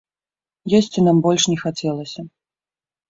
Есці нам больш не хацелася.